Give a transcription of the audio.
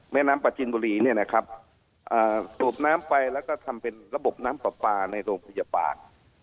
แม่น้ำประจินบุรีเนี่ยนะครับสูบน้ำไปแล้วก็ทำเป็นระบบน้ำปลาปลาในโรงพยาบาล